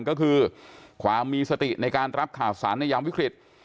ก็คือความมีสติในการรับข่าวสารในยามวิกฤต